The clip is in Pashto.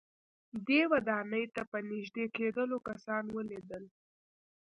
دې ودانۍ ته په نږدې کېدلو کسان وليدل.